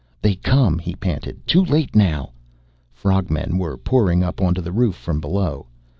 "They come!" he panted. "Too late now " Frog men were pouring up onto the roof from below.